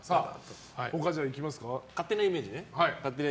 勝手なイメージね。